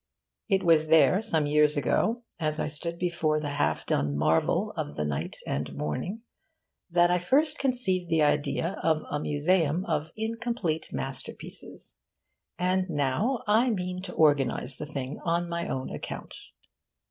It was there, some years ago, as I stood before the half done marvel of the Night and Morning, that I first conceived the idea of a museum of incomplete masterpieces. And now I mean to organise the thing on my own account.